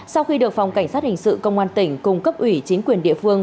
sau khi được phòng cảnh sát hình sự công an tỉnh cung cấp ủy chính quyền địa phương